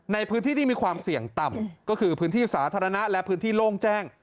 ในพื้นที่ที่มีความเสี่ยงต่ำก็คือพื้นที่สาธารณะและพื้นที่โล่งแจ้ง